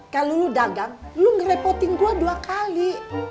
kalo lu dagang lu ngerepotin gua dua kali